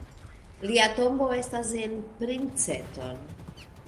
Lia tombo estas en Princeton.